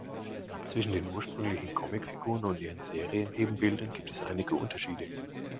Zwischen den ursprünglichen Comicfiguren und ihren Serien-Ebenbildern gibt es einige Unterschiede.